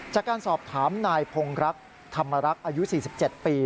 จากการสอบถามนายพงรักธรรมรักษ์อายุ๔๗ปี